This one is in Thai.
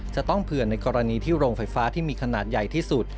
จะต้องเผื่อในกรณีที่โรงไฟฟ้าที่มีขนาดใหญ่ที่สุด